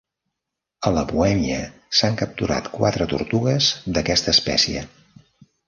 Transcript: A la Bohèmia s'han capturat quatre tortugues d'aquesta espècie.